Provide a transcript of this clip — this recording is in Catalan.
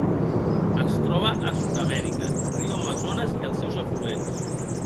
Es troba a Sud-amèrica: riu Amazones i els seus afluents.